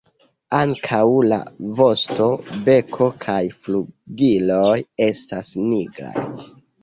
Ankaŭ la vosto, beko kaj flugiloj estas nigraj.